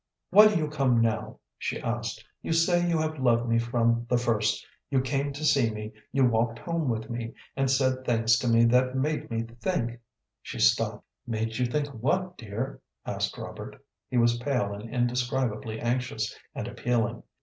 "Why do you come now?" she asked. "You say you have loved me from the first. You came to see me, you walked home with me, and said things to me that made me think " She stopped. "Made you think what, dear?" asked Robert. He was pale and indescribably anxious and appealing.